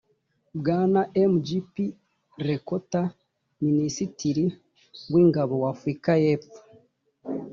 bwana m g p lekota minisitiri w ingabo wa afurika y epfo